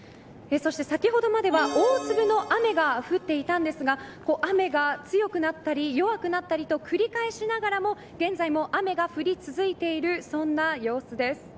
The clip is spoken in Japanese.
そして先ほどまでは大粒の雨が降っていたんですが雨が強くなったり弱くなったりを繰り返しながら現在も雨が降り続いている様子です。